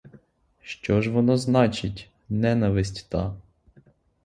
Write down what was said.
Що ж воно значить, ненависть та?